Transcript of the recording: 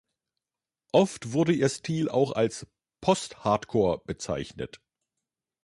Oft wurde ihr Stil auch als Post-Hardcore bezeichnet.